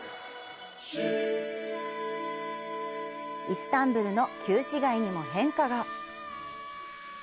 イスタンブールの旧市街にも変化が。